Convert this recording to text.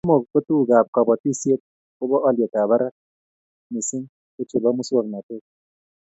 Somok, ko tugukab kobotisiet kobo olyetab barak missing ko chebo muswoknatet